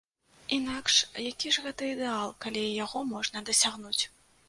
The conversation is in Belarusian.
Інакш які ж гэта ідэал, калі яго можна дасягнуць!